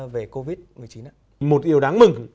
về covid một mươi chín ạ một điều đáng mừng